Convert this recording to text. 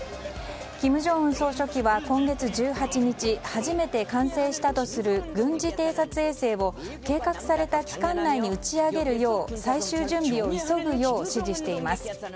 金正恩総書記は今月１８日初めて完成したとする軍事偵察衛星を計画された期間内に打ち上げるよう最終準備を急ぐよう指示しています。